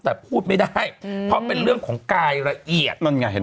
แต่พูดไม่ได้เพราะเป็นเรื่องของกายละเอียด